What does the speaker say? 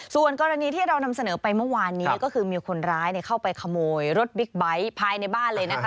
ส่วนกรณีที่เรานำเสนอไปเมื่อวานนี้ก็คือมีคนร้ายเข้าไปขโมยรถบิ๊กไบท์ภายในบ้านเลยนะคะ